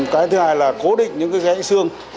cái thứ hai là cố định những cái dãy xương